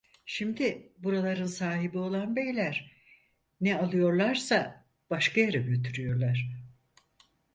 Şimdi buraların sahibi olan beyler, ne alıyorlarsa başka yere götürüyorlar.